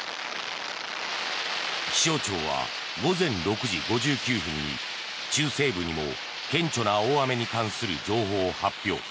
気象庁は午前６時５９分に中・西部にも顕著な大雨に関する情報を発表。